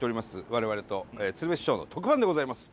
我々と鶴瓶師匠の特番でございます。